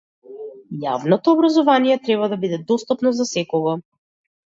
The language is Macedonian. Јавното образование треба да биде достапно за секого.